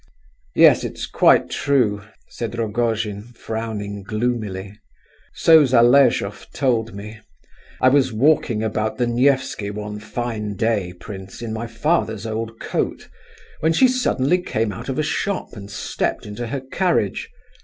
"Yes, it's quite true," said Rogojin, frowning gloomily; "so Zaleshoff told me. I was walking about the Nefsky one fine day, prince, in my father's old coat, when she suddenly came out of a shop and stepped into her carriage.